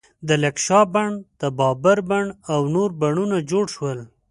د لکشا بڼ، د بابر بڼ او نور بڼونه جوړ شول.